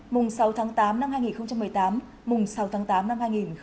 mùng sáu tháng tám năm hai nghìn một mươi tám mùng sáu tháng tám năm hai nghìn một mươi chín